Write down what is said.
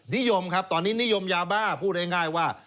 นิยมครับตอนนี้นิยมยาบ้าพูดง่ายว่า